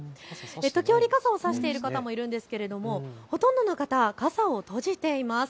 時折傘を差している方もいるんですけれどほとんどの方、傘を閉じています。